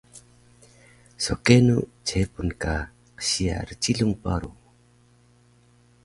So kenu chepun ka qsiya rcilung paru?